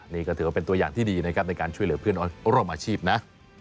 นี่ก็ถือว่าเป็นตัวอย่างที่ดีนะครับในการช่วยเหลือเพื่อนร่วมอาชีพนะ